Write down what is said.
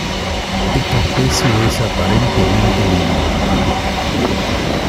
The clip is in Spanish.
Esta especie es aparentemente monógama.